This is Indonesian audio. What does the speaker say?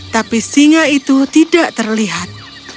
tapi singa itu tidak terlihat